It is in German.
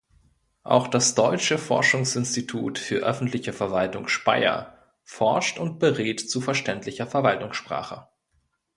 Auch das Deutsche Forschungsinstitut für öffentliche Verwaltung Speyer forscht und berät zu verständlicher Verwaltungssprache.